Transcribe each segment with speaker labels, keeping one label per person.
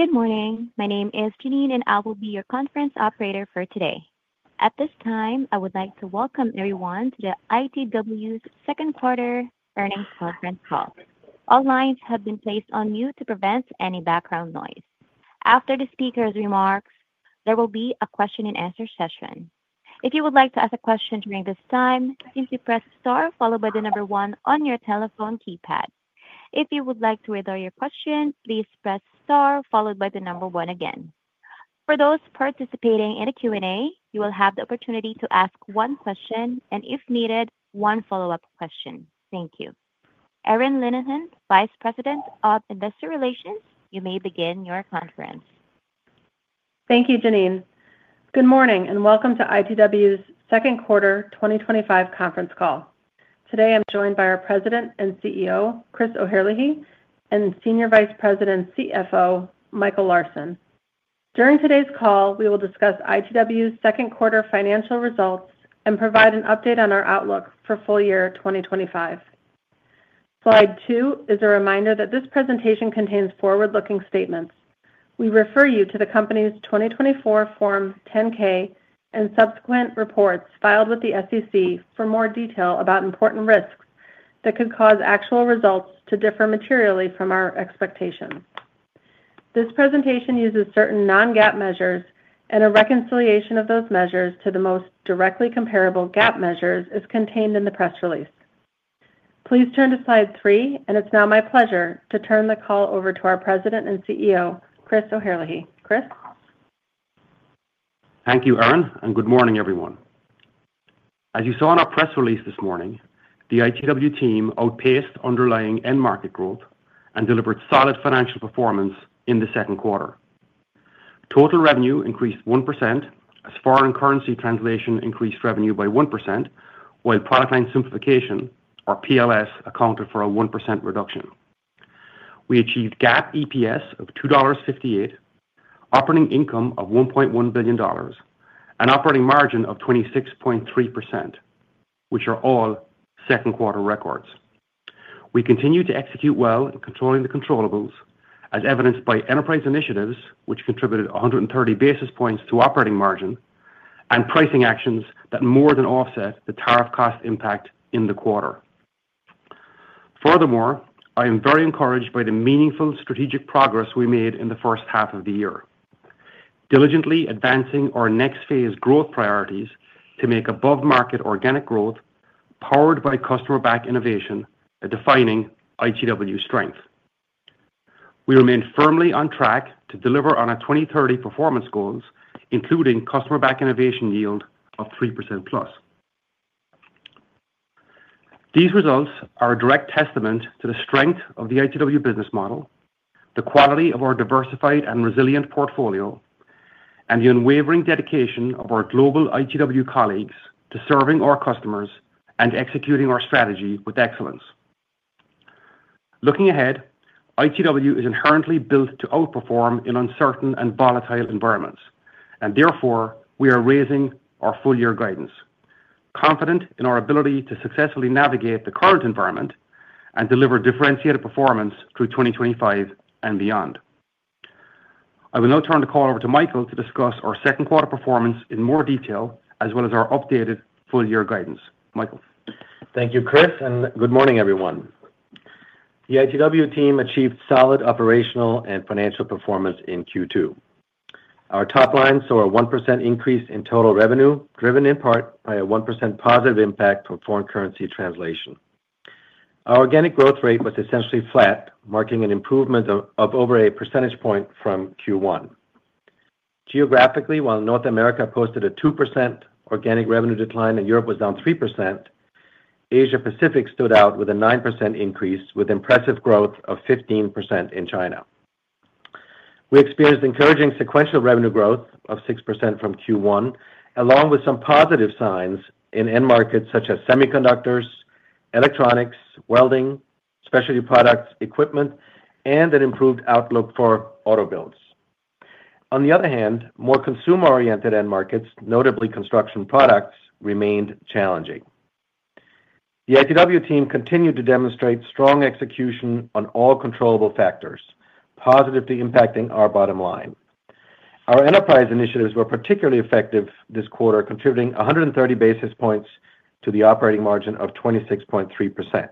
Speaker 1: Good morning, my name is Janine and I will be your conference operator for today. At this time I would like to welcome everyone to the ITW's Second Quarter Earnings Conference Call. All lines have been placed on mute to prevent any background noise. After the speaker's remarks, there will be a question and answer session. If you would like to ask a question during this time, simply press star followed by the number one on your telephone keypad. If you would like to withdraw your question, please press star followed by the number one again. For those participating in a Q&A, you will have the opportunity to ask one question and if needed, one follow up question. Thank you. Erin Linnihan, Vice President of Investor Relations. You may begin your conference.
Speaker 2: Thank you. Janine, good morning and welcome to ITW's Second Quarter 2025 Conference Call. Today I'm joined by our President and CEO Chris O'Herlihy and Senior Vice President CFO Michael Larsen. During today's call we will discuss ITW's second quarter financial results and provide an update on our outlook for full year 2025. Slide two is a reminder that this presentation contains forward-looking statements. We refer you to the company's 2024 Form 10-K and subsequent reports filed with the SEC for more detail about important risks that could cause actual results to differ materially from our expectations. This presentation uses certain non-GAAP measures and a reconciliation of those measures to the most directly comparable GAAP measures is contained in the press release. Please turn to slide three and it's now my pleasure to turn the call over to our President and CEO Chris O'Herlihy. Chris.
Speaker 3: Thank you Erin and good morning everyone. As you saw in our press release this morning, the ITW team outpaced underlying end market growth and delivered solid financial performance in the second quarter. Total revenue increased 1% as foreign currency translation increased revenue by 1% while product line simplification or PLS accounted for a 1% reduction. We achieved GAAP EPS of $2.58, operating income of $1.1 billion, an operating margin of 26.3% which are all second quarter records. We continue to execute well in controlling the controllables as evidenced by enterprise initiatives which contributed 130 basis points to operating margin and pricing actions that more than offset the tariff cost impact in the quarter. Furthermore, I am very encouraged by the meaningful strategic progress we made in the first half of the year, diligently advancing our next phase growth priorities to make above market organic growth powered by customer-backed innovation a defining ITW strength. We remain firmly on track to deliver on our 2030 performance goals including customer-backed innovation yield of 3% plus. These results are a direct testament to the strength of the ITW business model, the quality of our diversified and resilient portfolio, and the unwavering dedication of our global ITW colleagues to serving our customers and executing our strategy with excellence. Looking ahead, ITW is inherently built to outperform in uncertain and volatile environments and therefore we are raising our full year guidance, confident in our ability to successfully navigate the current environment and deliver differentiated performance through 2025 and beyond. I will now turn the call over to Michael to discuss our second quarter performance in more detail as well as our updated full year guidance. Michael
Speaker 4: thank you Chris and good morning everyone. The ITW team achieved solid operational and financial performance in Q2. Our top line saw a 1% increase in total revenue, driven in part by a 1% positive impact from foreign currency translation. Our organic growth rate was essentially flat, marking an improvement of over a percentage point from Q1 geographically. While North America posted a 2% organic revenue decline and Europe was down 3%, Asia Pacific stood out with a 9% increase with impressive growth of 15%. In China, we experienced encouraging sequential revenue growth of 6% from Q1, along with some positive signs in end markets such as semiconductors, electronics, welding, specialty products, equipment and an improved outlook for autobuilds. On the other hand, more consumer oriented end markets, notably construction products, remained challenging. The ITW team continued to demonstrate strong execution on all controllable factors positively impacting our bottom line. Our enterprise initiatives were particularly effective this quarter, contributing 130 basis points to the operating margin of 26.3%.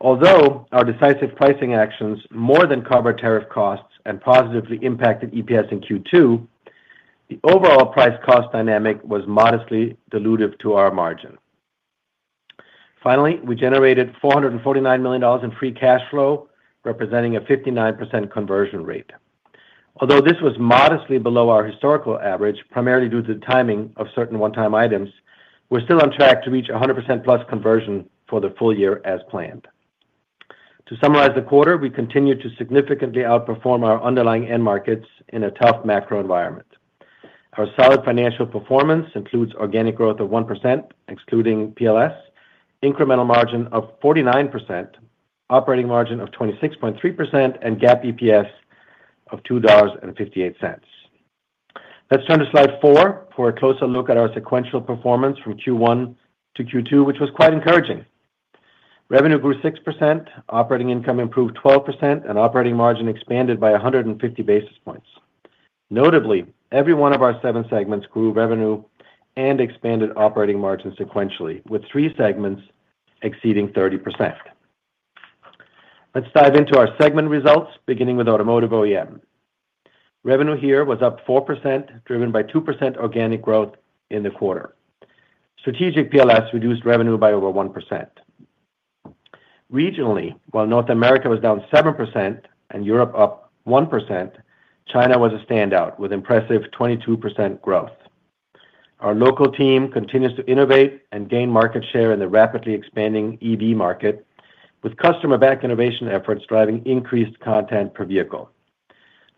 Speaker 4: Although our decisive pricing actions more than cover tariff costs and positively impacted EPS in Q2, the overall price cost dynamic was modestly dilutive to our margin. Finally, we generated $449 million in free cash flow representing a 59% conversion rate. Although this was modestly below our historical average, primarily due to the timing of certain one time items, we're still on track to reach 100%+ conversion for the full year as planned. To summarize the quarter, we continue to significantly outperform our underlying end markets in a tough macro environment. Our solid financial performance includes organic growth of 1% excluding PLS, incremental margin of 49%, operating margin of 26.3% and GAAP EPS of $2.58. Let's turn to Slide four for a closer look at our sequential performance from Q1 to Q2, which was quite encouraging. Revenue grew 6%, operating income improved 12% and operating margin expanded by 150 basis points. Notably, every one of our seven segments grew revenue and expanded operating margin sequentially with three segments exceeding 30%. Let's dive into our segment results beginning with Automotive OEM. Revenue here was up 4% driven by 2% organic growth in the quarter. Strategic PLS reduced revenue by over 1%. Regionally, while North America was down 7% and Europe up 1%, China was a standout with impressive 22% growth. Our local team continues to innovate and gain market share in the rapidly expanding EV market with customer-backed innovation efforts driving increased content per vehicle.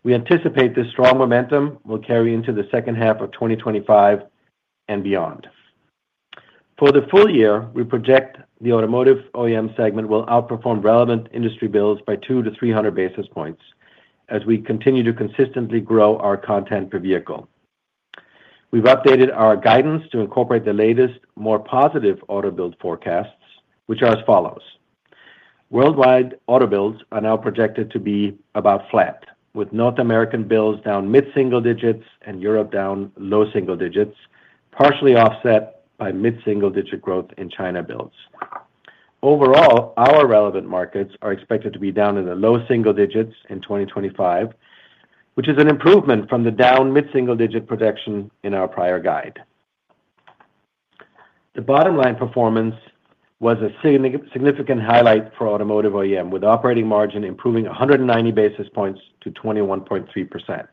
Speaker 4: We anticipate this strong momentum will carry into the second half of 2025 and beyond. For the full year, we project the Automotive OEM segment will outperform relevant industry builds by 200 basis points-300 basis points as we continue to consistently grow our content per vehicle. We've updated our guidance to incorporate the latest more positive auto build forecasts which are as follows. Worldwide auto builds are now projected to be about flat with North American builds down mid single digits and Europe down low single digits, partially offset by mid single digit growth in China builds. Overall, our relevant markets are expected to be down in the low single digits in 2025, which is an improvement from the down mid single digit projection in our prior guide. The bottom line performance was a significant highlight for Automotive OEM with operating margin improving 190 basis points to 21.3%.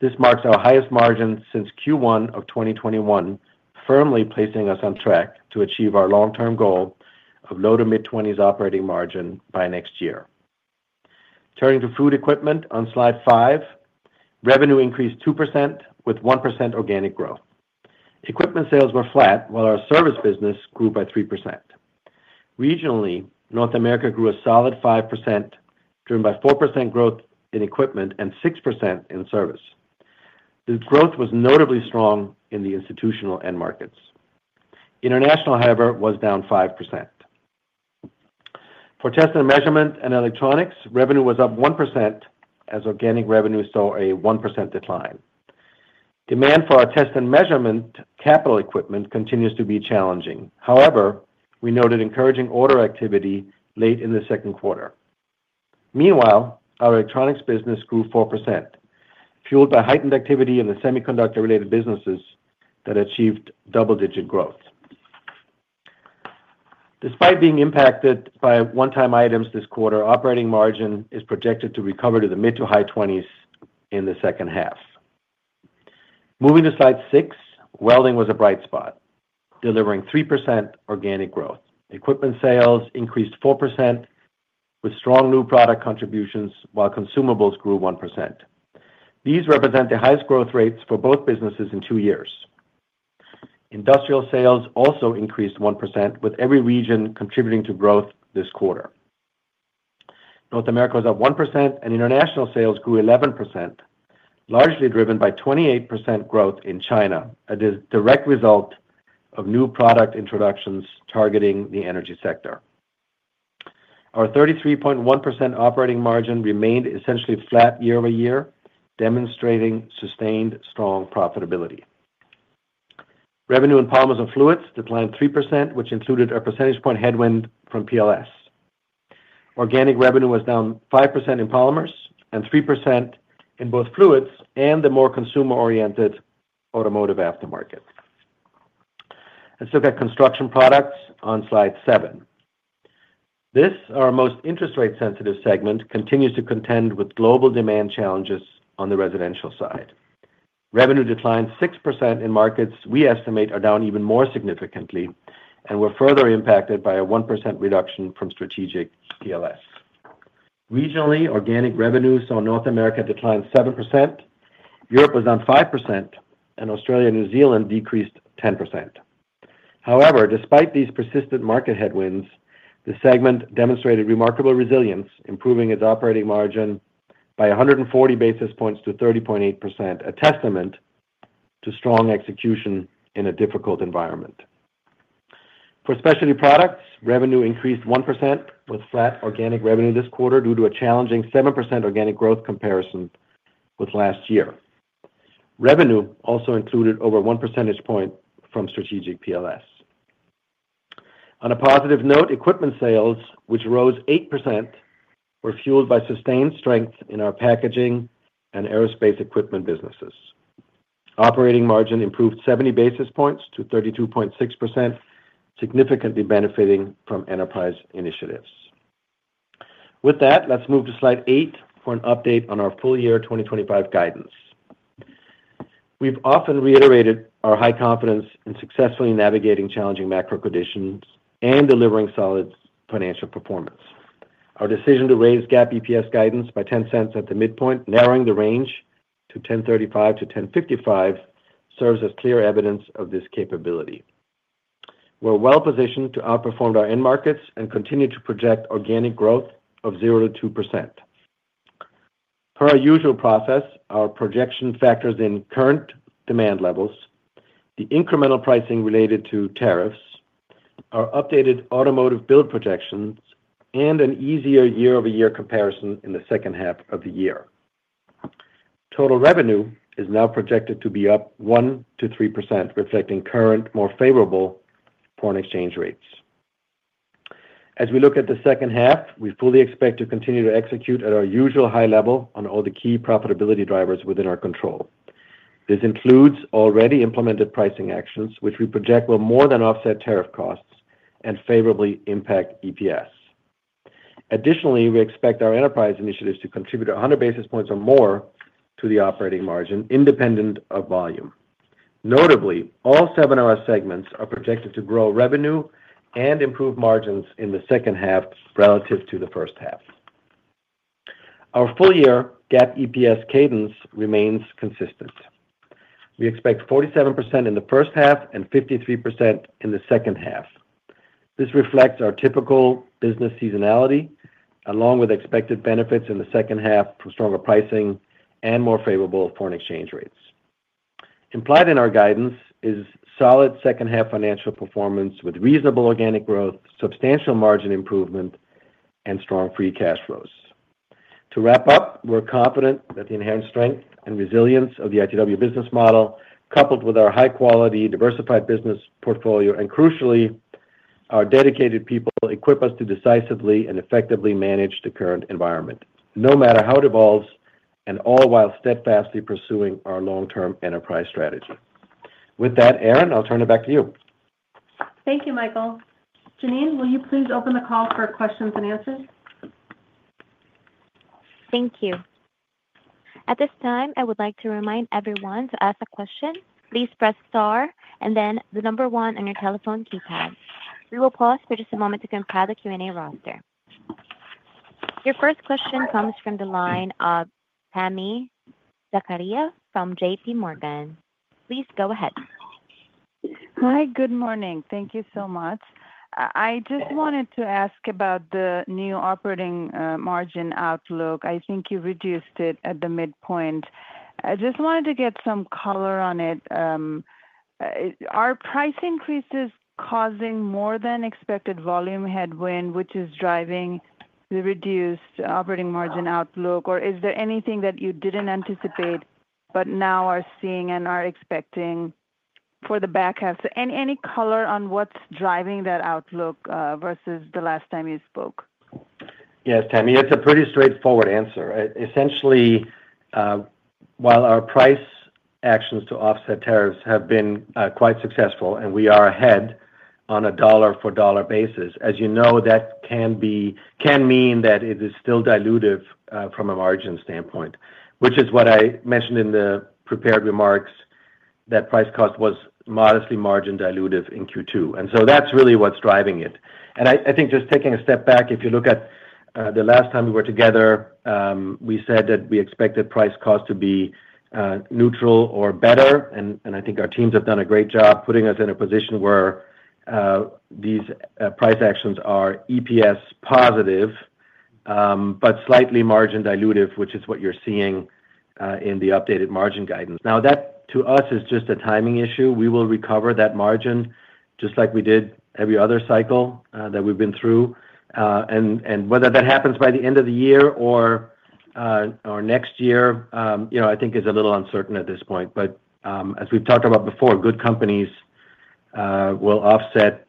Speaker 4: This marks our highest margin since Q1 of 2021, firmly placing us on track to achieve our long-term goal of low to mid-20s operating margin by next year. Turning to food equipment on slide 5, revenue increased 2% with 1% organic growth. Equipment sales were flat while our service business grew by 3%. Regionally, North America grew a solid 5% driven by 4% growth in equipment and 6% in service. The growth was notably strong in the institutional end markets. International, however, was down 5%. For test and measurement and electronics, revenue was up 1% as organic revenue saw a 1% decline. Demand for our test and measurement capital equipment continues to be challenging. However, we noted encouraging order activity late in the second quarter. Meanwhile, our electronics business grew 4% fueled by heightened activity in the semiconductor-related businesses that achieved double-digit growth. Despite being impacted by one-time items this quarter, operating margin is projected to recover to the mid to high 20s in the second half. Moving to slide six, welding was a bright spot delivering 3% organic growth. Equipment sales increased 4% with strong new product contributions while consumables grew 1%. These represent the highest growth rates for both businesses in two years. Industrial sales also increased 1%, with every region contributing to growth this quarter. North America was up 1% and international sales grew 11%, largely driven by 28% growth in China, a direct result of new product introductions targeting the energy sector. Our 33.1% operating margin remained essentially flat year-over-year, demonstrating sustained strong profitability. Revenue in polymers and fluids declined 3%, which included a percentage point headwind from PLS. Organic revenue was down 5% in polymers and 3% in both fluids and the more consumer oriented automotive aftermarket. Let's look at construction products on slide seven. This, our most interest rate sensitive segment, continues to contend with global demand challenges. On the residential side, revenue declined 6% in markets we estimate are down even more significantly and were further impacted by a 1% reduction from strategic PLS. Regionally, organic revenues saw North America decline 7%, Europe was down 5%, and Australia and New Zealand decreased 10%. However, despite these persistent market headwinds, the segment demonstrated remarkable resilience, improving its operating margin by 140 basis points to 30.8%, a testament to strong execution in a difficult environment. For specialty products, revenue increased 1% with flat organic revenue this quarter due to a challenging 7% organic growth comparison with last year. Revenue also included over 1 percentage point from strategic PLS. On a positive note, equipment sales, which rose 8%, were fueled by sustained strength in our packaging and aerospace equipment businesses. Operating margin improved 70 basis points to 32.6%, significantly benefiting from enterprise initiatives. With that, let's move to slide 8 for an update on our full year 2025 guidance. We've often reiterated our high confidence in successfully navigating challenging macro conditions and delivering solid financial performance. Our decision to raise GAAP EPS guidance by $0.10 at the midpoint, narrowing the range to $10.35-$10.55, serves as clear evidence of this capability. We're well positioned to outperform our end markets and continue to project organic growth of 0%-2% per our usual process. Our projection factors in current demand levels, the incremental pricing related to tariffs, our updated automotive build projections, and an easier year-over-year comparison in the second half of the year. Total revenue is now projected to be up 1%-3%, reflecting current more favorable foreign exchange rates. As we look at the second half, we fully expect to continue to execute at our usual high level on all the key profitability drivers within our control. This includes already implemented pricing actions which we project will more than offset tariff costs and favorably impact EPS. Additionally, we expect our enterprise initiatives to contribute 100 basis points or more to the operating margin independent of volume. Notably, all seven of our segments are projected to grow revenue and improve margins in the second half relative to the first half. Our full year GAAP EPS cadence remains consistent. We expect 47% in the first half and 53% in the second half. This reflects our typical business seasonality along with expected benefits in the second half from stronger pricing and more favorable foreign exchange rates. Implied in our guidance is solid second half financial performance with reasonable organic growth, substantial margin improvement and strong free cash flows to wrap up. We're confident that the inherent strength and resilience of the ITW business model coupled with our high quality diversified business portfolio and crucially, our dedicated people equip us to decisively and effectively manage the current environment no matter how it evolves, and all while steadfastly pursuing our long term enterprise strategy. With that, Erin, I'll turn it back to you.
Speaker 2: Thank you. Michael, Janine, will you please open the call for questions and answers?
Speaker 1: Thank you. At this time I would like to remind everyone to ask a question. Please press star and then the number one on your telephone keypad. We will pause for just a moment to compile the Q&A roster. Your first question comes from the line of Tami Zakaria from JPMorgan. Please go ahead.
Speaker 5: Hi, good morning. Thank you so much. I just wanted to ask about the new operating margin outlook. I think you reduced it at the midpoint. I just wanted to get some color on it. Are price increases causing more than expected volume headwind which is driving the reduced operating margin outlook? Or is there anything that you didn't anticipate but now are seeing and are expecting for the back half any color on what's driving that outlook versus the last time you spoke?
Speaker 4: Yes, Tami, it's a pretty straightforward answer. Essentially, while our price actions to offset tariffs have been quite successful and we are ahead on a dollar for dollar basis, as you know, that can mean that it is still dilutive from a margin standpoint, which is what I mentioned in the prepared remarks, that price cost was modestly margin dilutive in Q2 and that's really what's driving it. I think just taking a step back, if you look at the last time we were together, we said that we expected price cost to be neutral or better and I think our teams have done a great job putting us in a position where these price actions are EPS positive but slightly margin dilutive, which is what you're seeing in the updated margin guidance. That to us is just a timing issue. We will recover that margin just like we did every other cycle that we've been through. Whether that happens by the end of the year or next year I think is a little uncertain at this point. As we've talked about before, good companies will offset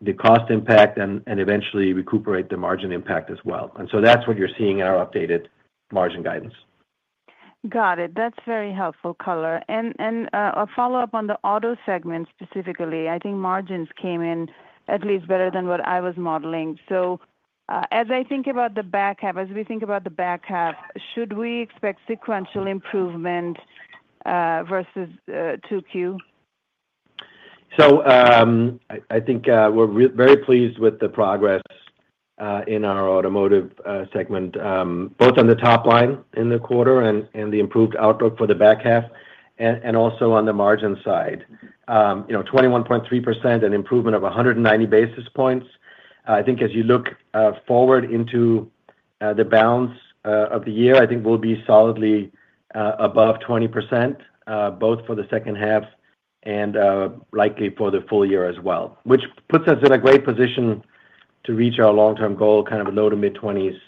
Speaker 4: the cost impact and eventually recuperate the margin impact as well. That's what you're seeing in our updated margin guidance.
Speaker 5: Got it. That's very helpful. Color and a follow up on the auto segment specifically, I think margins came in at least better than what I was modeling. As I think about the back half, as we think about the back half, should we expect sequential improvement versus 2Q?
Speaker 4: I think we're very pleased with the progress in our automotive segment, both on the top line in the quarter and the improved outlook for the back half. Also on the margin side, you know, 21.3%, an improvement of 190 basis points. I think as you look forward into the balance of the year, I think we'll be solidly above 20% both for the second half and likely for the full year as well, which puts us in a great position to reach our long term goal. Kind of low to mid 20s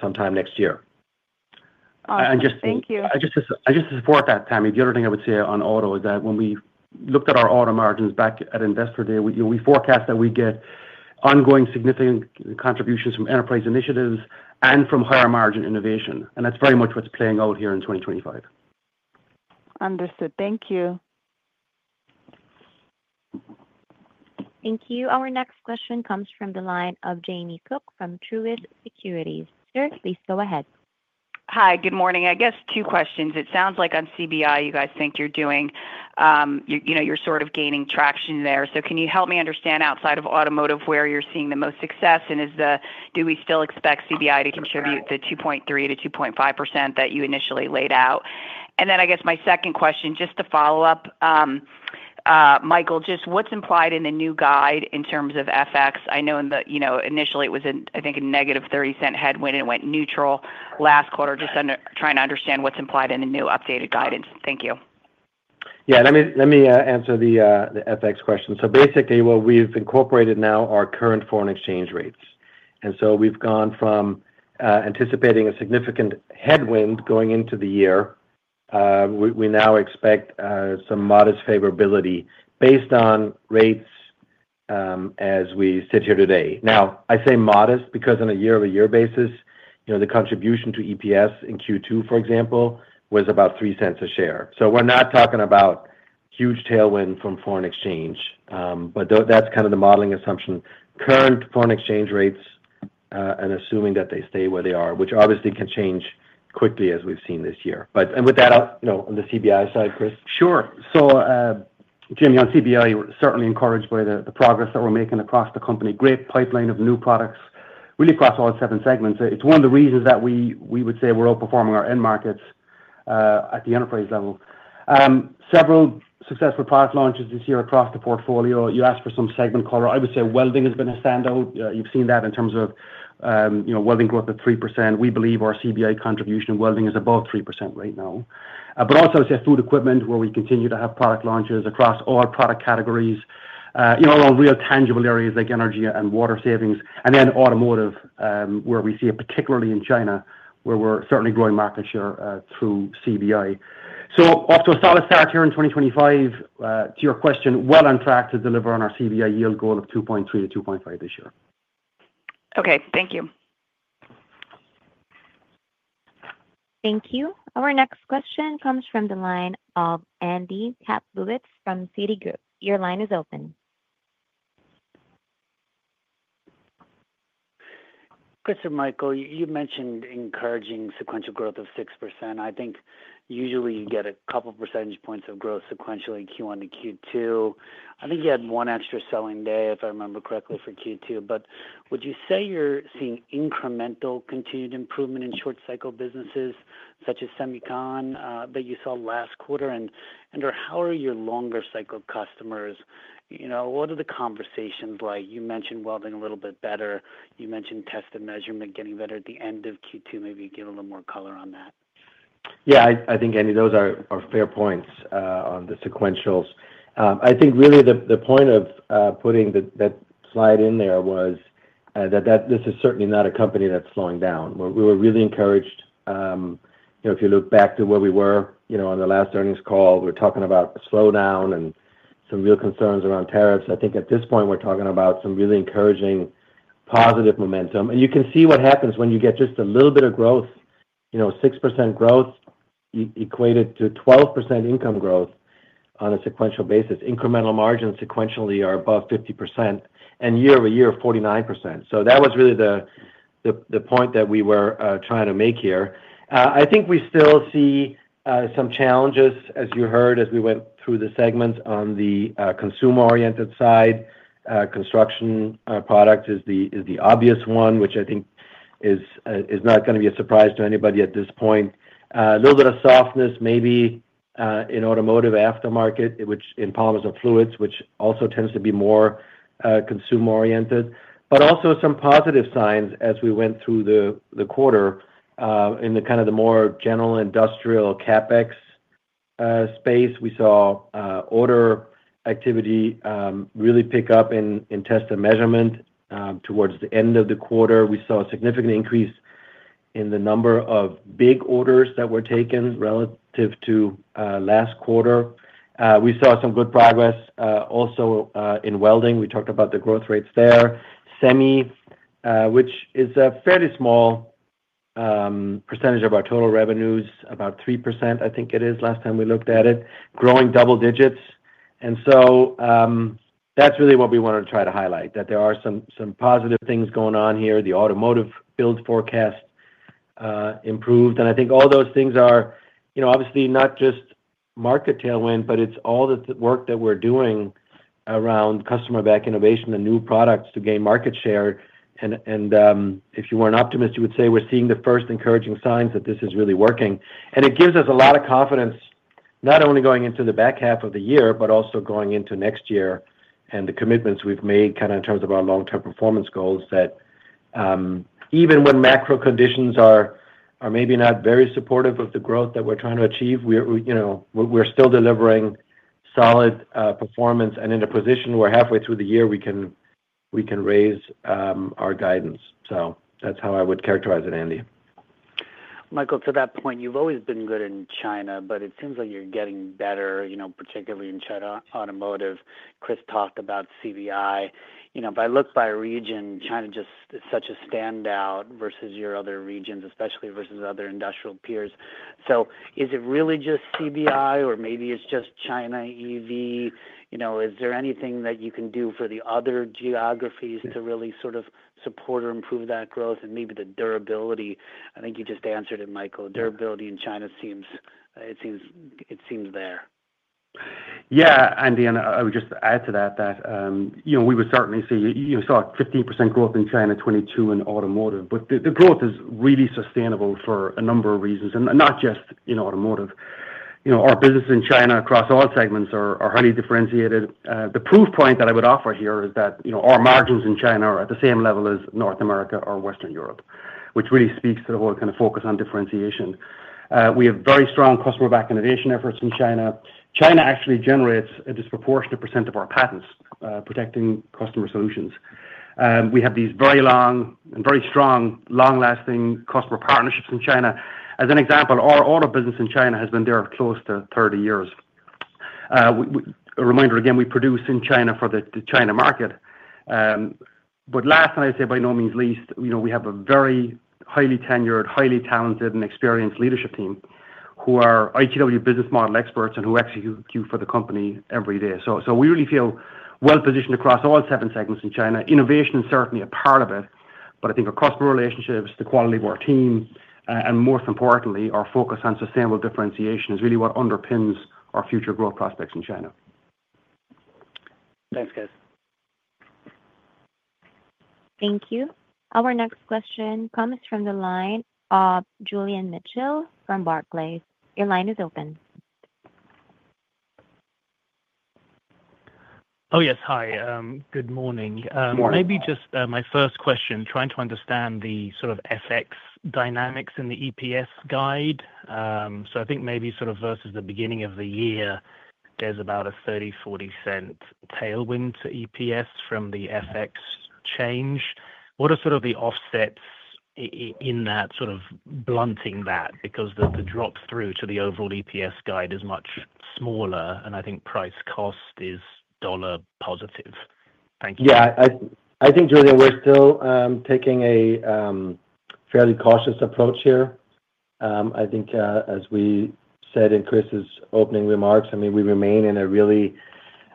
Speaker 4: sometime next year.
Speaker 5: Thank you.
Speaker 3: I just to support that, Tami. The other thing I would say on auto is that when we looked at our auto margins back at Investor Day, we forecast that we get ongoing significant contributions from enterprise initiatives and from higher margin innovation. And that's very much what's playing out here in 2025.
Speaker 5: Understood. Thank you.
Speaker 1: Thank you. Our next question comes from the line of Jamie Cook from Truist Securities. Sir, please go ahead.
Speaker 6: Hi, good morning. I guess two questions. It sounds like on CBI you guys think you're doing, you know, you're sort of gaining traction there. Can you help me understand outside of automotive, where you're seeing the most success and do we still expect CBI to contribute the 2.3%-2.5% that you initially laid out? I guess my second question, just to follow up, Michael, just what's implied in the new guide in terms of FX? I know initially it was, I think, a negative $0.30 headwind and went neutral last quarter. Just trying to understand what's implied in the new updated guidance. Thank you.
Speaker 4: Yeah. Let me answer the FX question. So basically what we've incorporated now, our current foreign exchange rates. And so we've gone from anticipating a significant headwind going into the year we now expect some modest favorability based on rates as we sit here today. Now, I say modest because on a year-over-year basis, the contribution to EPS in Q2, for example, was about $0.03 a share. So we're not talking about huge tailwind from foreign exchange, but that's kind of the modeling assumption that current foreign exchange rates and assuming that they stay where they are, which obviously can change quickly as we've seen this year. With that on the CBI side. Chris. Sure.
Speaker 3: Jamie, on CBI, certainly encouraged by the progress that we're making across the company. Great pipeline of new products really across all seven segments. It's one of the reasons that we would say we're outperforming our end markets at the enterprise level. Several successful product launches this year across the portfolio. You asked for some segment color. I would say welding has been a standout. You've seen that in terms of, you know, welding growth at 3%. We believe our CBI contribution, welding is above 3% right now. Also food equipment where we continue to have product launches across all product categories on real tangible areas like energy and water savings. Then automotive where we see it, particularly in China where we're certainly growing market share through CBI. Off to a solid start here in 2025. To your question, on track to deliver on our CBI yield goal of 2.3%-2.5% this year.
Speaker 6: Okay, thank you.
Speaker 1: Thank you. Our next question comes from the line of Andy Kaplubitz from Citi Group. Your line is open.
Speaker 7: Chris and Michael, you mentioned encouraging sequential growth of 6%. I think usually you get a couple percentage points of growth sequentially Q1 to Q2. I think you had one extra selling day, if I remember correctly, for Q2. Would you say you're seeing incremental continued improvement in short cycle businesses such as Semicon that you saw last quarter, and how are your longer cycle customers? What are the conversations like? You mentioned welding a little bit better. You mentioned test and measurement getting better at the end of Q2, maybe give a little more color on that.
Speaker 4: Yeah, I think, Andy, those are fair points on the sequentials. I think really the point of putting that slide in there was that this is certainly not a company that's slowing down. We were really encouraged. If you look back to where we were on the last earnings call, we're talking about slowdown and some real concerns around tariffs. I think at this point we're talking about some really encouraging positive momentum. You can see what happens when you get just a little bit of growth, 6% growth equated to 12% income growth. Sequential basis incremental margins sequentially are above 50% and year-over-year 49%. That was really the point that we were trying to make here. I think we still see some challenges as you heard as we went through the segments on the consumer-oriented side, construction product is the obvious one which I think is not going to be a surprise to anybody at this point. A little bit of softness maybe in automotive aftermarket in polymers and fluids, which also tends to be more consumer oriented. Also some positive signs. As we went through the quarter in the kind of the more general industrial capex space, we saw order activity really pick up in test and measurement. Towards the end of the quarter we saw a significant increase in the number of big orders that were taken relative to last quarter. We saw some good progress also in welding. We talked about the growth rates there, semi which is a fairly small percentage of our total revenues, about 3% I think it is. Last time we looked at it growing double digits. That is really what we wanted to try to highlight that there are some positive things going on here. The automotive business build forecast improved and I think all those things are obviously not just market tailwind but it's all the work that we're doing around customer-backed innovation and new products to gain market share. If you were an optimist you would say we're seeing the first encouraging signs that this is really working and it gives us a lot of confidence not only going into the back half of the year but also going into next year and the commitments we've made kind of in terms of our long term performance goals that even when macro conditions are maybe not very supportive of the growth that we're trying to achieve, we're still delivering solid performance and in a position where halfway through the year we can raise our guidance. That is how I would characterize it. Andy.
Speaker 7: Michael, to that point you've always been good in China, but it seems like you're getting better, particularly in China Automotive. Chris talked about CBI. If I look by region, China just such a standout versus other regions, especially versus other industrial peers. Is it really just CBI or maybe it's just China EV, you know, is there anything that you can do for the other geographies to really sort of support or improve that growth and maybe the durability? I think you just answered it, Michael. Durability in China seems, it seems, it seems there.
Speaker 3: Yeah, Andy, and I would just add to that that, you know, we would certainly see, you saw 15% growth in China, 22% in automotive. The growth is really sustainable for a number of reasons and not just automotive. Our business in China across all segments are highly differentiated. The proof point that I would offer here is that our margins in China are at the same level as North America or Western Europe, which really speaks to the whole kind of focus on differentiation. We have very strong customer-backed innovation efforts in China. China actually generates a disproportionate percent of our patents protecting customer solutions. We have these very long and very strong, long-lasting customer partnerships in China. As an example, our auto business in China has been there close to 30 years. A reminder again, we produce in China for the China market. Last, and I'd say by no means least, you know, we have a very highly tenured, highly talented and experienced leadership team who are ITW business model experts and who execute for the company every day. We really feel well positioned across all seven segments in China. Innovation is certainly a part of it. I think our customer relationships, the quality of our team and most importantly our focus on sustainable differentiation is really what underpins our future growth prospects in China.
Speaker 7: Thanks guys.
Speaker 1: Thank you. Our next question comes from the line of Julian Mitchell from Barclays. Your line is open.
Speaker 8: Oh yes. Hi, good morning. Maybe just my first question, trying to understand the sort of FX dynamics in the EPS guide. I think maybe sort of versus the beginning of the year there's about a $0.30-$0.40 tailwind to EPS from the FX change. What are sort of the offsets in that sort of blunting that because the drop through to the overall EPS guide is much smaller and I think price cost is dollar positive. Thank you.
Speaker 4: Yeah, I think Julian, we're still taking a fairly cautious approach here. I think as we said in Chris's opening remarks, I mean we remain in a really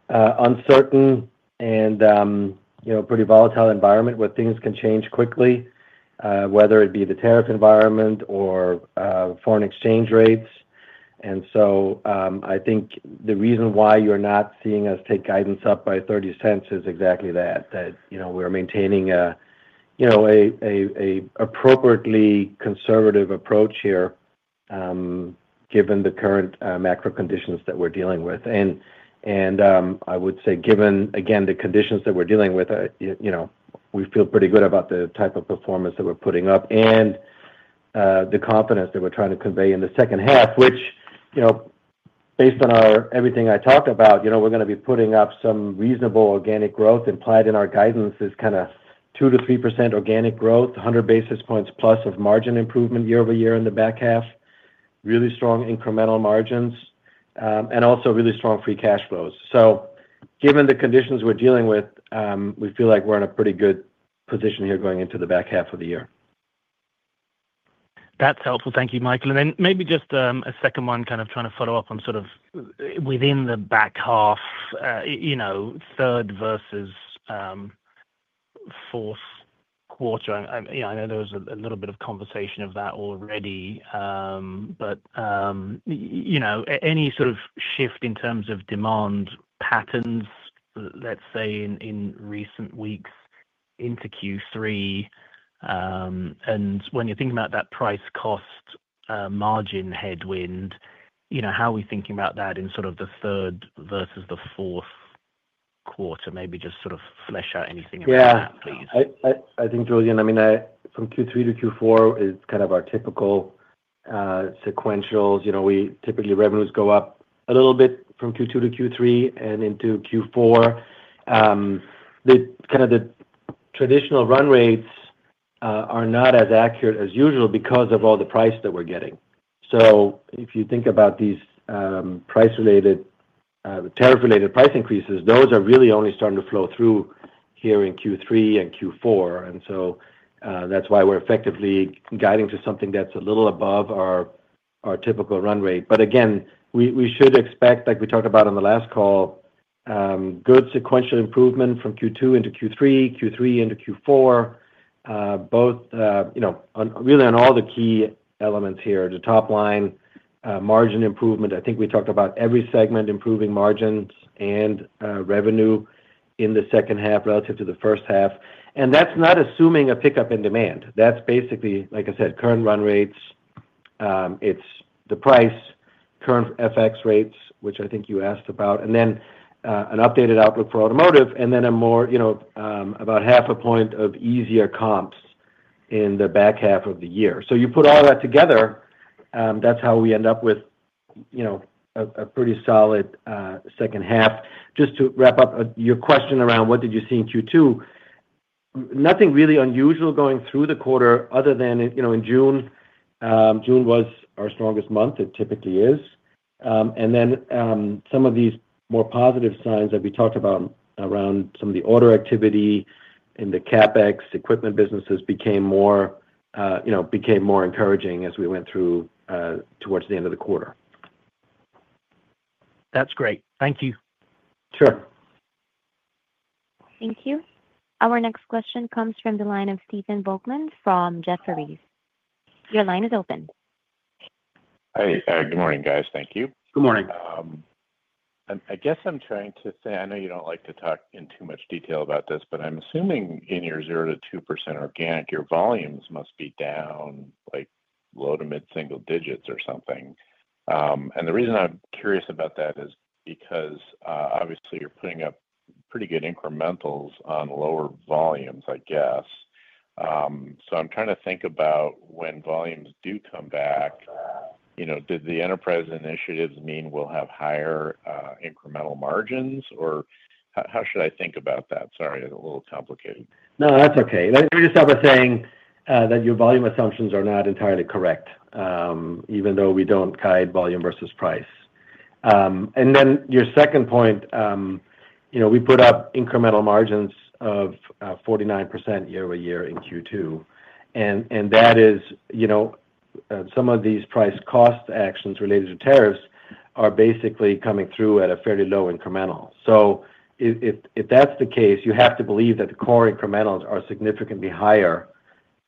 Speaker 4: uncertain and pretty volatile environment where things can change quickly, whether it be the tariff environment or foreign exchange rates. I think the reason why you're not seeing us take guidance up by $0.30 is exactly that, that you know, we are maintaining, you know, an appropriately conservative approach here given the current macro conditions that we're dealing with. I would say given again the conditions that we're dealing with, you know, we feel pretty good about the type of performance that we're putting up and the confidence that we're trying to convey in the second half which, you know, based on everything I talked about, you know, we're going to be putting up some reasonable organic growth implied in our guidance is kind of 2%-3% organic growth, 100 basis points plus of margin improvement year-over-year in the back half. Really strong incremental margins and also really strong free cash flows. Given the conditions we're dealing with, we feel like we're in a pretty good position here going into the back half of the year. That's helpful.
Speaker 8: Thank you, Michael. Maybe just a second one, kind of trying to follow up on sort of within the back half, you know, third versus fourth quarter. I know there was a little bit. Of conversation of that already but you know, any sort of shift in terms of demand patterns, let's say in, in recent weeks into Q3. And when you're thinking about that price cost margin headwind, you know, how are we thinking about that in sort of the third versus the fourth quarter? Maybe just sort of flesh out anything.
Speaker 4: Yeah, please. I think Julian, I mean from Q3 to Q4 is kind of our typical sequentials. You know, we typically revenues go up a little bit from Q2 to Q3 and into Q4. The kind of the traditional run rates are not as accurate as usual because of all the price that we're getting. If you think about these price related, tariff related price increases, those are really only starting to flow through here in Q3 and Q4. That is why we're effectively guiding to something that's a little above our typical run rate. Again we should expect, like we talked about on the last call, good sequential improvement from Q2 into Q3, Q3 into Q4, both, you know, really on all the key elements here, the top line margin improvement. I think we talked about every segment improving margins and revenue in the second half relative to the first half. That is not assuming a pickup in demand. That is basically like I said, current run rates, it is the price, current FX rates, which I think you asked about, and then an updated outlook for automotive and then a more, you know, about half a point of easier comps in the back half of the year. You put all that together, that is how we end up with, you know, a pretty solid second half. Just to wrap up your question around what did you see in Q2? Nothing really unusual going through the quarter other than, you know, in June. June was our strongest month. It typically is. Then some of these more positive signs that we talked about around some of the order activity in the CapEx equipment businesses became more, you know, became more encouraging as we went through towards the end of the quarter. That is great.
Speaker 3: Thank you.
Speaker 4: Sure.
Speaker 1: Thank you. Our next question comes from the line of Stephen Volkmann from Jefferies. Your line is open.
Speaker 9: Hey, good morning, guys. Thank you.
Speaker 3: Good morning.
Speaker 9: I guess I'm trying to say, I know you don't like to talk in too much detail about this, but I'm assuming in your 0%-2% organic, your volumes must be down like low to mid-single digits or something. The reason I'm curious about that is because obviously you're putting up pretty good incrementals on lower volumes. I guess. I'm trying to think about when volumes do come back. Did the enterprise initiatives mean we'll have higher incremental margins or how should I think about that? Sorry, a little complicated.
Speaker 4: No, that's okay. Let me just start by saying that your volume assumptions are not entirely correct, even though we do not guide volume versus price. And then your second point, you know, we put up incremental margins of 49% year-over-year in Q2. And that is, you know, some of these price cost actions related to tariffs are basically coming through at a fairly low incremental. If that is the case, you have to believe that the core incrementals are significantly higher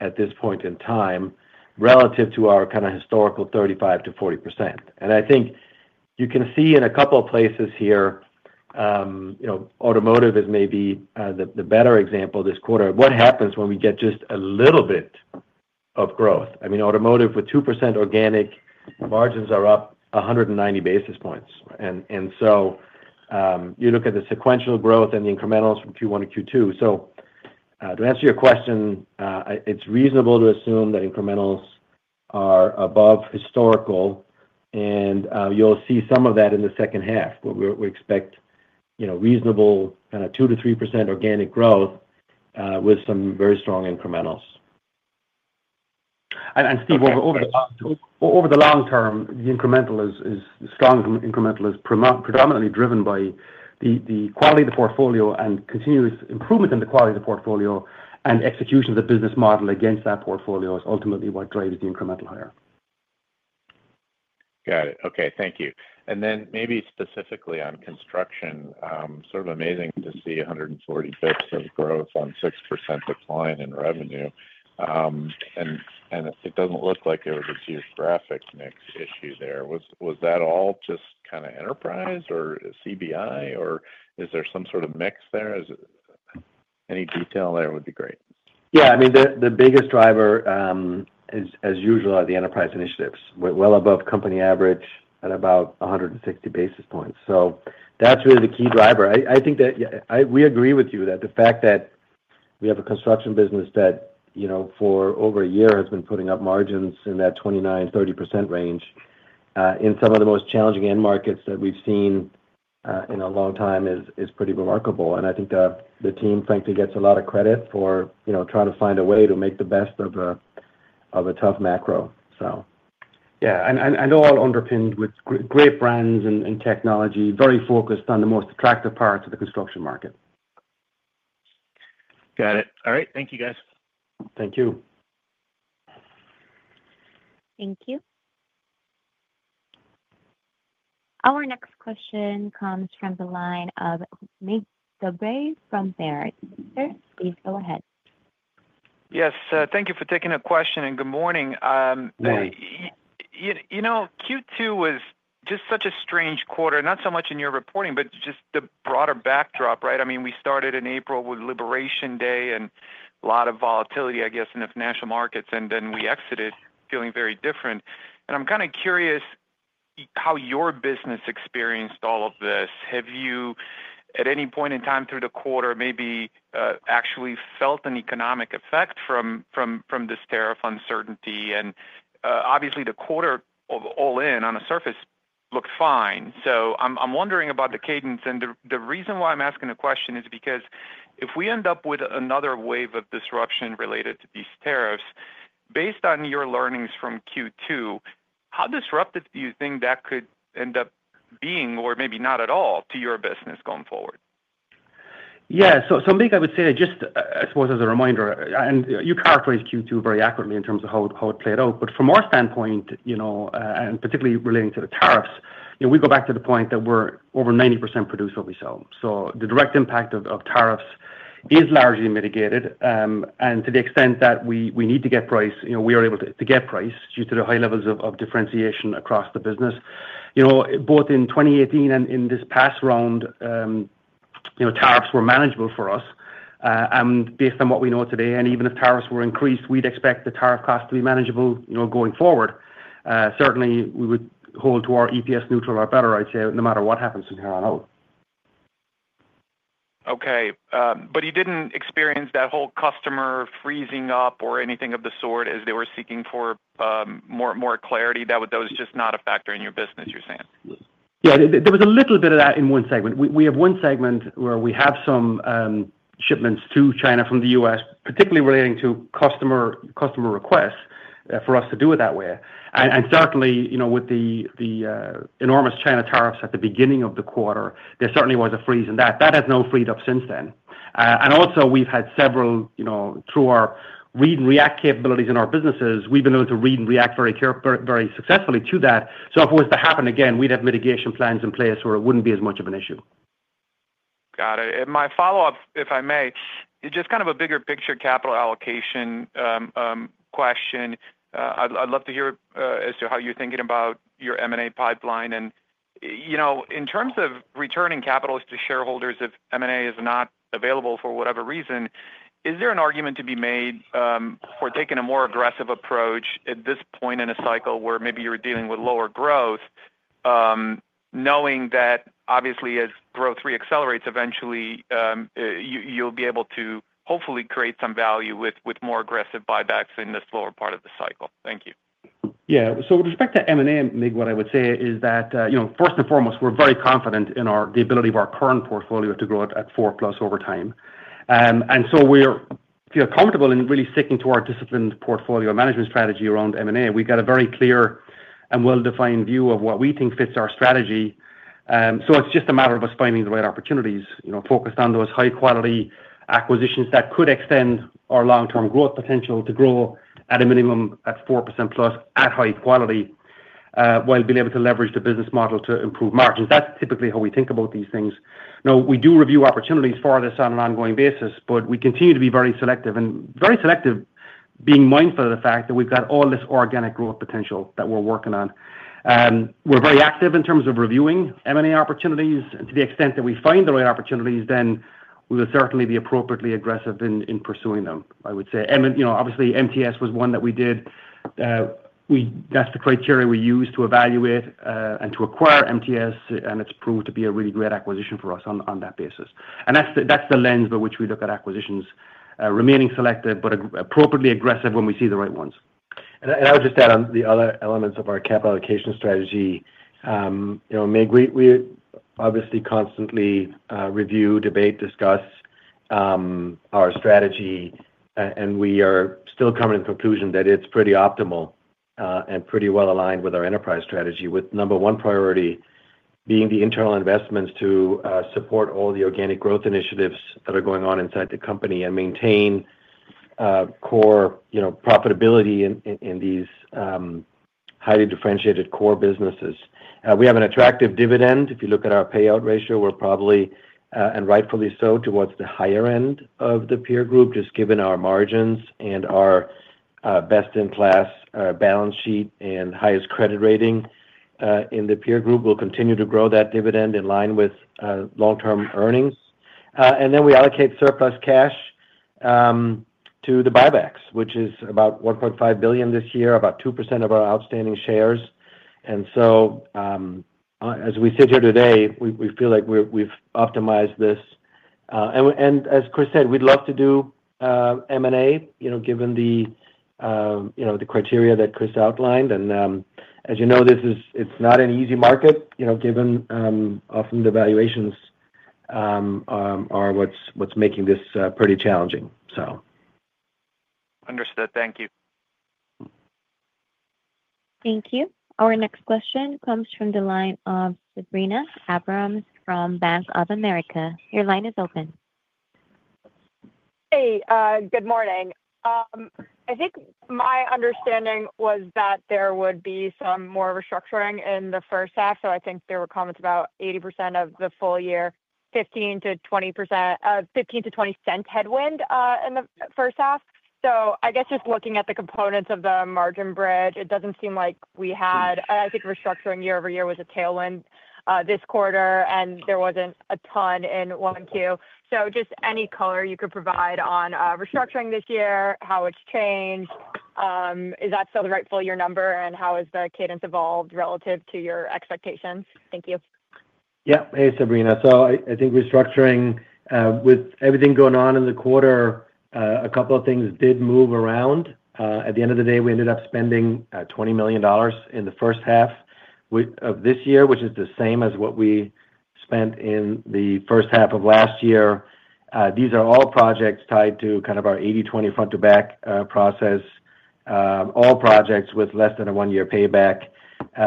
Speaker 4: at this point in time relative to our kind of historical 35%-40%. I think you can see in a couple of places here, you know, automotive is maybe the better example this quarter. What happens when we get just a little bit. I mean, automotive with 2% organic margins are up 190 basis points. You look at the sequential growth and the incrementals from Q1 to Q2. To answer your question, it is reasonable to assume that incrementals are above historical. You will see some of that in the second half where we expect, you know, reasonable kind of 2%-3% organic growth with some very strong incrementals.
Speaker 3: Stephen, over the long term, the incremental is strong. Incremental is predominantly driven by the quality of the portfolio and continuous improvement in the quality of the portfolio and execution of the business model against that portfolio is ultimately what drives the incremental hire.
Speaker 9: Got it. Okay, thank you. And then maybe specifically on construction, sort of amazing to see 140 basis points of growth on 6% decline in revenue. It does not look like there was a geographic mix issue there. Was that all just kind of enterprise or CBI or is there some sort of mix there? Any detail there would be great.
Speaker 3: Yeah. I mean, the biggest driver, as usual, are the enterprise initiatives, well above company average at about 160 basis points. That is really the key driver. I think that we agree with you that the fact that we have a construction business that, you know, for over a year has been putting up margins in that 29%-30% range in some of the most challenging end markets that we have seen in a long time is pretty remarkable. I think the team, frankly, gets a lot of credit for, you know, trying to find a way to make the best of a tough macro. Yeah, and all underpinned with great brands and technology, very focused on the most attractive parts of the construction market.
Speaker 9: Got it. All right, thank you, guys. Thank you.
Speaker 1: Thank you. Our next question comes from the line of [Nicole DeBlase from Barclays]. Please go ahead. Yes, thank you for taking a question and good morning. You know, Q2 was just such a strange quarter. Not so much in your reporting, but just the broader backdrop. Right. I mean, we started in April with Liberation Day and a lot of volatility, I guess, in the financial markets, and then we exited feeling very different. I'm kind of curious how your business experienced all of this. Have you, at any point in time through the quarter, maybe actually felt an economic effect from this tariff uncertainty? Obviously the quarter all in, on the surface, looked fine. I'm wondering about the cadence and the reason why I'm asking the question is because if we end up with another wave of disruption related to these tariffs, based on your learnings from Q2, how disruptive do you think that could end up being? Or maybe not at all to your business going forward?
Speaker 4: Yeah. Ambig, I would say, just I suppose as a reminder, and you characterize Q2 very accurately in terms of how it played out. From our standpoint, you know, and particularly relating to the tariffs, we go back to the point that we're over 90% produce what we sell, so the direct impact of tariffs is largely mitigated. To the extent that we need to get price, you know, we are able to get price due to the high levels of differentiation across the business. You know, both in 2018 and in this past round, you know, tariffs were manageable for us. Based on what we know today, and even if tariffs were increased, we'd expect the tariff cost to be manageable going forward. Certainly we would hold to our EPS neutral or better, I'd say, no matter. What happens from here on out? Okay. He didn't experience that whole customer freezing up or anything of the sort as they were seeking for more clarity. That was just not a factor in. Your business, you're saying? Yeah, there was a little bit of. That in one segment. We have one segment where we have some shipments to China from the U.S. particularly relating to customer requests for us to do it that way. Certainly with the enormous China tariffs at the beginning of the quarter, there certainly was a freeze in that that has now freed up since then. Also we've had several through our read and react capabilities in our businesses, we've been able to read and react very successfully to that. If it was to happen again, we'd have mitigation plans in place where it wouldn't be as much of an issue. Got it. My follow up, if I may, just kind of a bigger picture capital allocation question. I'd love to hear as to how you're thinking about your M&A pipeline and, you know, in terms of returning capital to shareholders if M&A is not available for whatever reason. Is there an argument to be made for taking a more aggressive approach at this point in a cycle where maybe you're dealing with lower growth, knowing that obviously as growth reaccelerates, eventually you'll be able to hopefully create some value with more aggressive buybacks in this lower. Part of the cycle? Thank you.
Speaker 3: Yeah. With respect to M&A MIG, what I would say is that, you know, first and foremost, we're very confident in the ability of our customers' current portfolio to grow at 4%+ over time. We feel comfortable in really sticking to our disciplined portfolio management strategy around M&A. We've got a very clear and well-defined view of what we think fits our strategy. It is just a matter of us finding the right opportunities focused on those high-quality acquisitions that could extend our long-term growth potential to grow at a minimum at 4%+ at high quality while being able to leverage the business model to improve margins. That is typically how we think about these things. We do review opportunities for this on an ongoing basis, but we continue to be very selective and very selective, being mindful of the fact that we've got all this organic growth potential that we're working on. We're very active in terms of reviewing M&A opportunities, and to the extent that we find the right opportunities, then we will certainly be appropriately aggressive in pursuing them. I would say obviously MTS was one that we did. That is the criteria we use to evaluate and to acquire MTS, and it has proved to be a really great acquisition for us on that basis. That is the lens by which we look at acquisitions, remaining selective but appropriately aggressive when we see the right ones.
Speaker 4: I would just add on the other elements of our capital allocation strategy. MIG. We obviously constantly review, debate, discuss our strategy, and we are still coming to the conclusion that it is pretty optimal and pretty well aligned with our enterprise strategy. With number one priority being the internal investments to support all the organic growth initiatives that are going on inside the company and maintain core profitability in these highly differentiated core businesses. We have an attractive dividend. If you look at our payout ratio, we are probably, and rightfully so, towards the higher end of the peer group. Just given our margins and our best in class balance sheet and highest credit rating in the peer group, we will continue to grow that dividend in line with long term earnings and then we allocate surplus cash to the buybacks, which is about $1.5 billion this year, about 2% of our outstanding shares. As we sit here today, we feel like we have optimized this and as Chris said, we would love to do M&A, you know, given the, you know, the criteria that Chris outlined. As you know, this is, it is not an easy market, you know, given often the valuations are what is making this pretty challenging. Understood. Thank you.
Speaker 1: Thank you. Our next question comes from the line of Sabrina Abrams from Bank of America. Your line is open.
Speaker 10: Hey, good morning. I think my understanding was that there would be some more restructuring in the first half. I think there were comments about 80% of the full year, 15%-20%, $0.15-$0.20 cent headwind in the first half. I guess just looking at the components of the margin bridge, it does not seem like we had, I think restructuring year-over-year was a tailwind this quarter and there was not a ton in 1Q. Just any color you could provide on restructuring this year, how it has changed, is that still the right full year number and how has the cadence evolved relative to your expectations? Thank you.
Speaker 4: Yeah. Hey, Sabrina. So I think restructuring with everything going on in the quarter, a couple of things did move around. At the end of the day, we ended up spending $20 million in the first half of this year, which is the same as what we spent in the first half of last year. These are all projects tied to kind of our 80/20 front to back process. All projects with less than a one-year payback.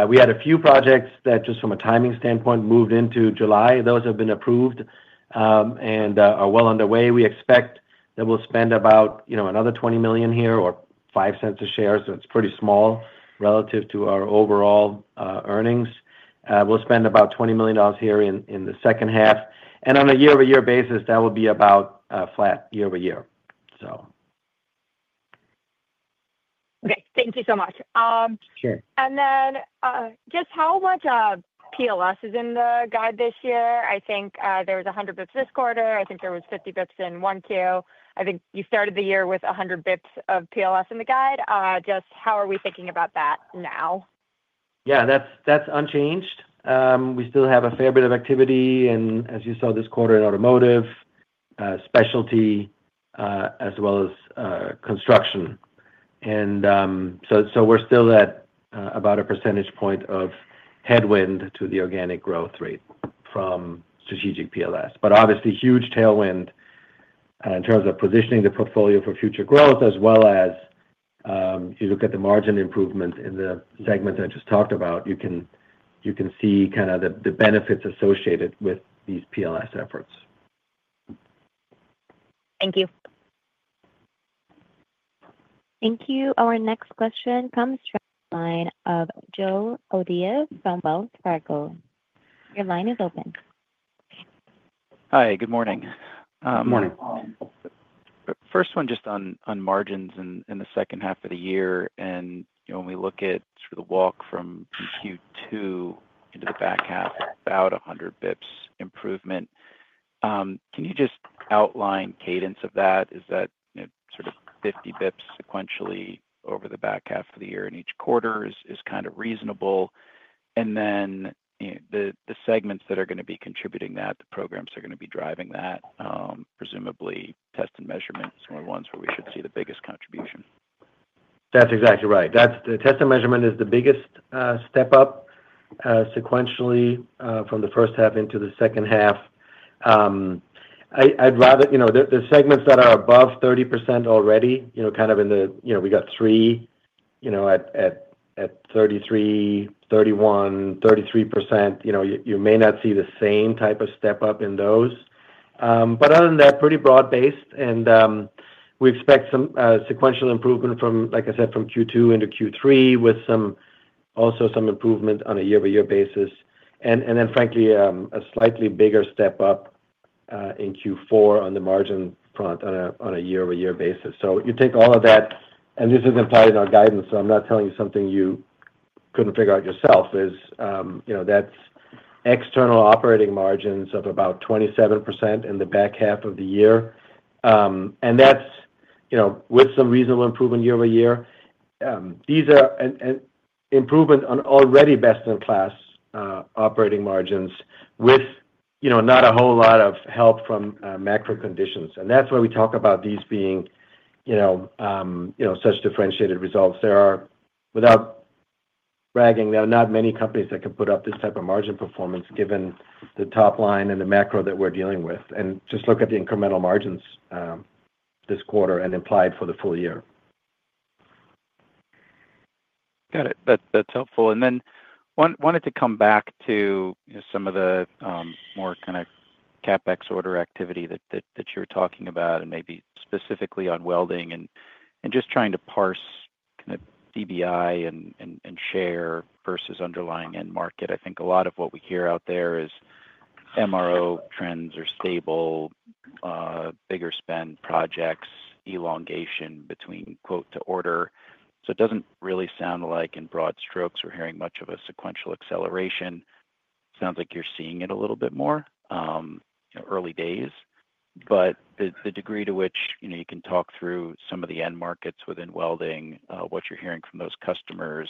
Speaker 4: We had a few projects that just from a timing standpoint moved into July. Those have been approved and are well underway. We expect that we'll spend about another $20 million here or 5 cents a share. It's pretty small relative to our overall earnings. We'll spend about $20 million here in the second half and on a year-over-year basis, that will be about flat year-over-year.
Speaker 10: Okay, thank you so much. Just how much PLS is in the guide this year? I think there was 100 basis points this quarter, I think there was 50 basis points in Q1. I think you started the year with 100 basis points of PLS in the guide. Just how are we thinking about that now?
Speaker 4: Yeah, that's unchanged. We still have a fair bit of activity and as you saw this quarter in automotive specialty as well as construction. We are still at about a percentage point of headwind to the organic growth rate from strategic PLS, but obviously huge tailwind in terms of positioning the portfolio for future growth as well. As you look at the margin improvement in the segments I just talked about, you can see kind of the benefits associated with these PLS efforts.
Speaker 1: Thank you. Thank you. Our next question comes from the line of Jo O'Dea from Wells Fargo. Your line is open.
Speaker 11: Hi, good morning. First one just on margins in the second half of the year. When we look at the walk from Q2 into the back half, about 100 basis points improvement. Can you just outline cadence of that? Is that sort of 50 basis points sequentially over the back half of the year in each quarter is kind of reasonable? Then the segments that are going to be contributing that, the programs are going to be driving that. Presumably test and measurements are the ones where we should see the biggest contribution.
Speaker 4: That's exactly right. Test and measurement is the biggest step up sequentially from the first half into the second half. I'd rather, you know, the segments that are above 30% already, you know, kind of in the, you know, we got three, you know, at 33%, 31%, 33%. You know, you may not see the same type of step up in those, but other than that, pretty broad based. We expect some sequential improvement from, like I said, from Q2 into Q3 with some, also some improvement on a year-over-year basis and then frankly a slightly bigger step up in Q4 on the margin front on a year-over-year basis. You take all of that and this is implied in our guidance, so I'm not telling you something you couldn't figure out yourself is, you know, that's external operating margins of about 27% in the back half of the year. That's, you know, with some reasonable improvement year-over-year. These are improvement on already best in class operating margins with, you know, not a whole lot of help from macro conditions. That's why we talk about these being, you know, you know, such differentiated results. There are, without bragging, there are not many companies that can put up this type of margin performance given the top line and the macro that we're dealing with. Just look at the incremental margins this quarter and implied for the full year.
Speaker 11: Got it. That's helpful. I wanted to come back to some of the more kind of CapEx order activity that you're talking about and maybe specifically on welding and just trying to parse CBI and share versus underlying end market. I think a lot of what we hear out there is MRO trends are stable, bigger spend projects, elongation between quote to order. It doesn't really sound like in broad strokes we're hearing much of a sequential acceleration. It sounds like you're seeing it a little bit more early days. The degree to which you can talk through some of the end markets within welding, what you're hearing from those customers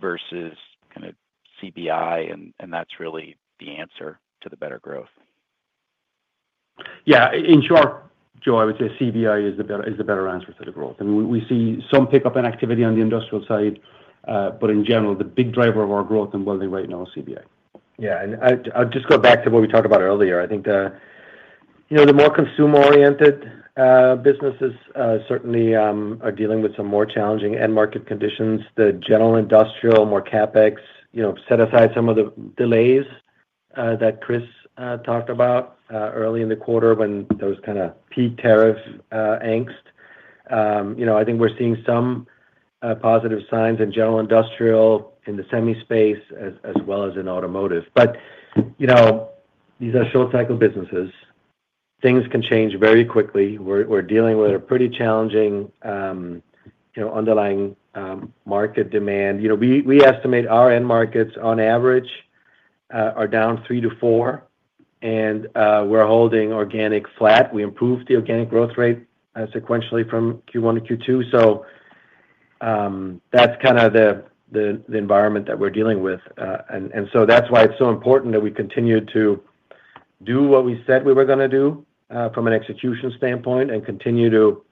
Speaker 11: versus kind of CBI, that's really the answer to the better growth.
Speaker 3: Yeah. In short, Jo, I would say CBI is the better answer to the growth and we see some pickup in activity. On the industrial side. In general the big driver of our growth and building right now is CBI.
Speaker 4: Yeah. I'll just go back to what we talked about earlier. I think the more consumer oriented businesses certainly are dealing with some more challenging end market conditions. The general industrial, more CapEx set aside some of the delays that Chris talked about early in the quarter when there was kind of peak tariff angst. You know, I think we're seeing some positive signs in general industrial in the semi space as well as in automotive. But you know, these are short cycle businesses. Things can change very quickly. We're dealing with a pretty challenging underlying market demand. You know, we estimate our end markets on average are down 3%-4% and we're holding organic flat. We improved the organic growth rate sequentially. From Q1 to Q2. That's kind of the environment that we're dealing with. That's why it's so important that we continue to do what we said we were going to do from an execution standpoint and continue to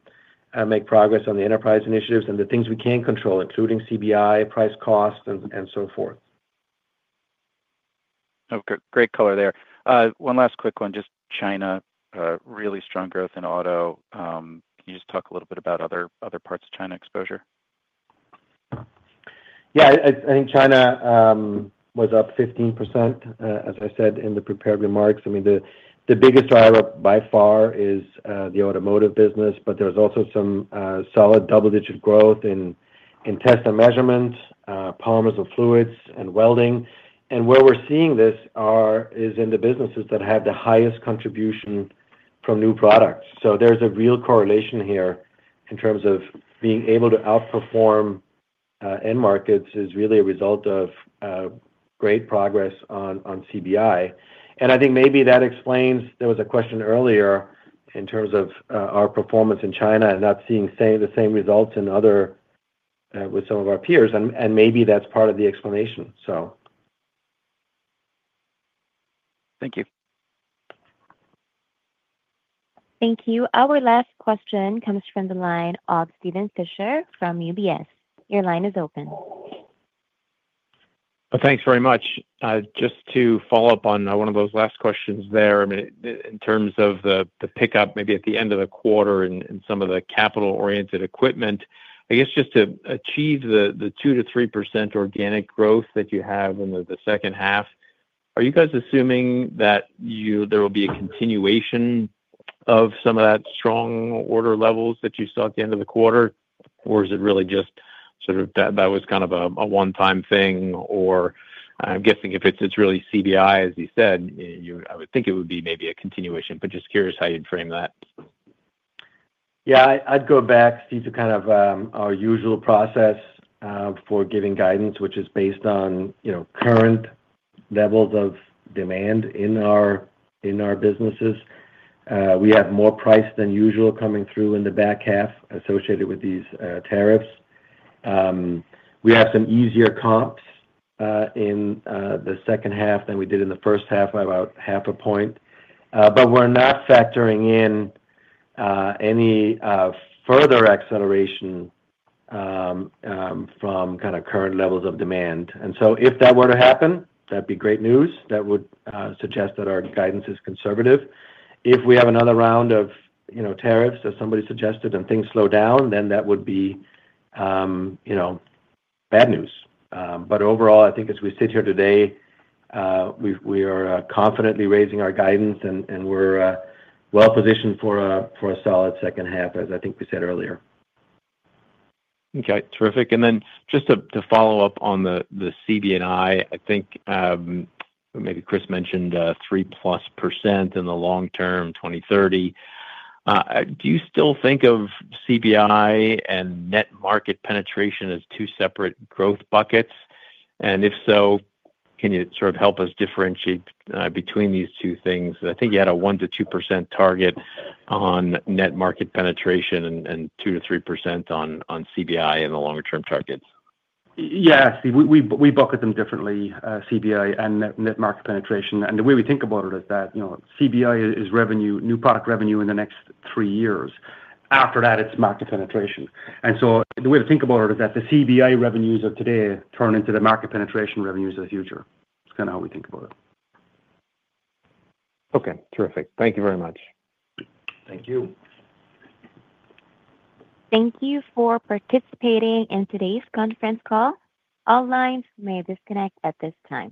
Speaker 4: make progress on the enterprise initiatives and the things we can control, including CBI, price, cost, and so forth. Great color there.
Speaker 11: One last quick one, just China, really strong growth in auto. Can you just talk a little bit about other parts of China exposure?
Speaker 4: Yeah, I think China was up 15% as I said in the prepared remarks. I mean the biggest driver by far is the automotive business. There is also some solid double-digit growth in test and measurement, polymers and fluids, and welding. Where we are seeing this is in the businesses that have the highest contribution from new products. There is a real correlation here in terms of being able to outperform end markets, which is really a result of great progress on CBI. I think maybe that explains there was a question earlier in terms of our performance in China and not seeing the same results in other areas with some of our peers. Maybe that is part of the explanation.
Speaker 11: Thank you.
Speaker 1: Thank you. Our last question comes from the line of Steven Fisher from UBS. Your line is open.
Speaker 12: Thanks very much. Just to follow up on one of those last questions there. In terms of the pickup maybe at the end of the quarter and some. Of the capital oriented equipment, I guess. Just to achieve the 2%-3% organic growth that you have in the second half, are you guys assuming that there will be a continuation of some of that strong order levels that you. Saw at the end of the quarter. Or is it really just sort of that was kind of a one time thing, or I'm guessing if it's really CBI as you said, I would think it would be maybe a continuation. Just curious how you'd frame that.
Speaker 4: Yeah, I'd go back, Steve, to kind of our usual process for giving guidance which is based on, you know, current levels of demand in our, in our businesses. We have more price than usual coming through in the back half associated with these tariffs. We have some easier comps in the second half than we did in the first half by about half a point. We are not factoring in any further acceleration from kind of current levels of demand. If that were to happen, that'd be great news. That would suggest that our guidance is conservative. If we have another round of tariffs as somebody suggested and things slow down, that would be bad news. Overall, I think as we sit here today, we are confidently raising our guidance and we're well positioned for a solid second half as I think we said earlier.
Speaker 12: Okay, terrific. Just to follow up on the CBI, I think maybe Chris mentioned 3%+ in the long term, 2030. Do you still think of CBI and net market penetration as two separate growth buckets? If so, can you sort of help us differentiate between these two things? I think you had a 1%-2% target on net market penetration and 2%-3% on CBI. And the longer term targets?
Speaker 3: Yes, we bucket them differently. CBI and net market penetration. The way we think about it is that, you know, CBI is revenue, new product revenue in the next three years. After that, it is market penetration. The way to think about it is that the CBI revenues of today turn into the market penetration revenues of the future. That is kind of how we think about it.
Speaker 12: Okay. Terrific. Thank you very much.
Speaker 3: Thank you.
Speaker 1: Thank you for participating in today's conference call. All lines may disconnect at this time.